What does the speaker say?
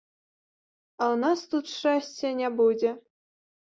А ў нас тут шчасця не будзе.